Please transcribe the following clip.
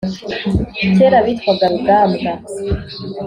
kera bitwaga rugambwa.